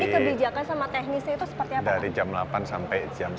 ini kebijakan sama teknisnya itu seperti apa pak